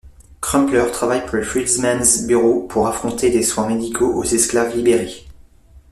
Crumpler travaille pour le Freedmen's Bureau pour apporter des soins médicaux aux esclaves libérés.